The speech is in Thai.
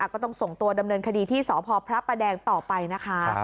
ก็ต้องส่งตัวดำเนินคดีที่สพพระประแดงต่อไปนะคะ